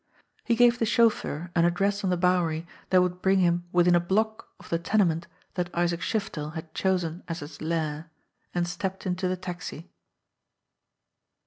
He gave the chauffeur an address on the Bowery that would bring him within a block of the tenement that Isaac Shiftel had chosen as his lair, and stepped into the taxi.